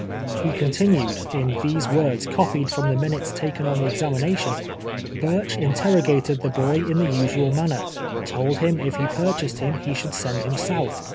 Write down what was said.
lie continued, in these words, copied from the min utes taken on the examination :" Bureh interrogated the l)oy in the usual manner, told him if he purclias ed him he should send him south.